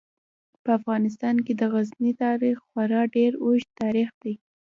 په افغانستان کې د غزني تاریخ خورا ډیر اوږد تاریخ دی.